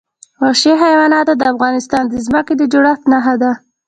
وحشي حیوانات د افغانستان د ځمکې د جوړښت نښه ده.